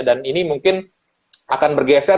dan ini mungkin akan bergeser